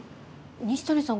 西谷さん